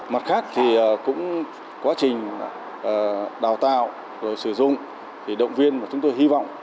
mặt khác thì cũng quá trình đào tạo rồi sử dụng thì động viên mà chúng tôi hy vọng